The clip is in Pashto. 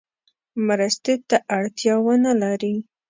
مرستې ته اړتیا ونه لري.